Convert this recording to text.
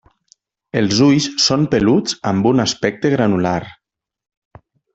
Els ulls són peluts amb un aspecte granular.